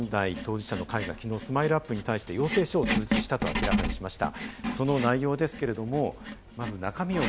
性加害者問題当事者の会がきのうＳＭＩＬＥ‐ＵＰ．に対して要請書を通知したと明らかにしました。